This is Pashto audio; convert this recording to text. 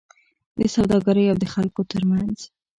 د سوداګرۍاو د خلکو ترمنځ